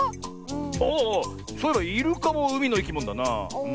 ああっそういえばイルカもうみのいきものだな。